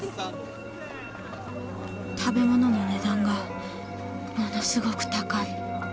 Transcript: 食べ物の値段がものすごく高い。